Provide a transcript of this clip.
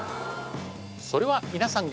それはみなさん